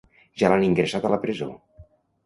Ja l'han ingressat a la presó.